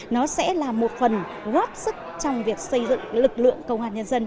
nó sẽ là một phần góp sức trong việc xây dựng lực lượng công an nhân dân